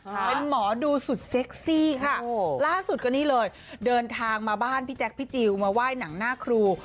เป็นหมอดูสุดเซ็กซี่ค่ะล่าสุดก็นี่เลยเดินทางมาบ้านพี่แจ๊คพี่จิลมาไหว้หนังหน้าครู